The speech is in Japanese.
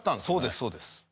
そうですそうです。